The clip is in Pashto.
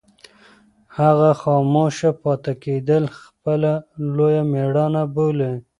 هغه خاموشه پاتې کېدل خپله لویه مېړانه بولي.